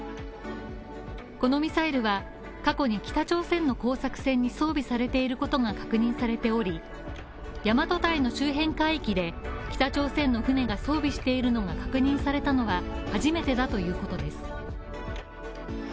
このミサイルは、過去に北朝鮮の工作船に装備されていることが確認されており、大和堆の周辺海域で北朝鮮の船が装備しているのが確認されたのが初めてだということです。